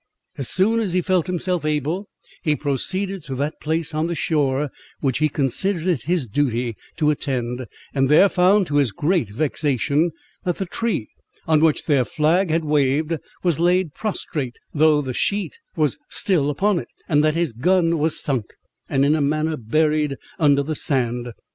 As soon as he felt himself able, he proceeded to that place on the shore which he considered it his duty to attend, and there found, to his great vexation, that the tree on which their flag had waved was laid prostrate, though the sheet was still upon it; and that his gun was sunk, and in a manner buried under the sand.